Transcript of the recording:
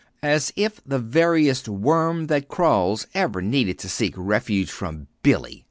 "As if the veriest worm that crawls ever needed to seek refuge from Billy!"